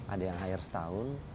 ada yang hire setahun